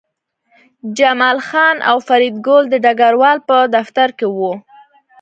جمال خان او فریدګل د ډګروال په دفتر کې وو